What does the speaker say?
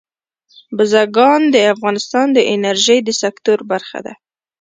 بزګان د افغانستان د انرژۍ د سکتور برخه ده.